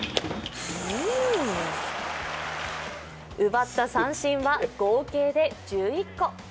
奪った三振は合計で１１個。